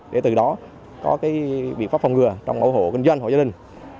để từ đó có biện pháp phòng ngừa trong mỗi hộ kinh doanh hộ gia đình